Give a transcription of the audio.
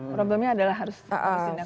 problemnya adalah harus tindak pidana